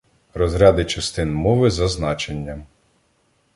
Розряди частин мови за значенням